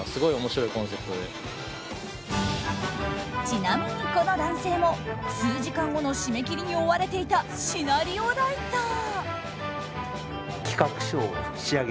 ちなみにこの男性も数時間後の締め切りに追われていたシナリオライター。